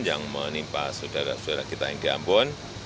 yang menimpa saudara saudara kita yang di ambon